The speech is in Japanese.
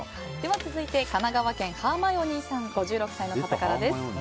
続いて、神奈川県５６歳の方からです。